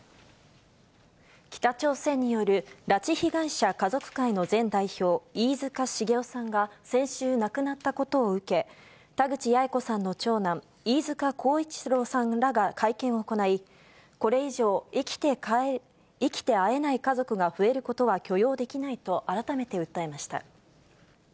北朝鮮による拉致被害者家族会の前代表、飯塚繁雄さんが先週亡くなったことを受け、田口八重子さんの長男、飯塚耕一郎さんらが会見を行い、これ以上、生きて会えない家族が増えることは許容できないと、改めて訴えました。